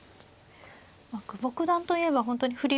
久保九段といえば本当に振り